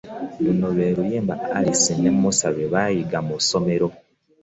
Luno lwe luyimba Alisi ne Musa lwe bayiga mu ssomero.